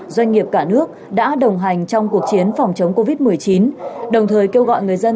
doanh nghiệp cả nước đã đồng hành trong cuộc chiến phòng chống covid một mươi chín đồng thời kêu gọi người dân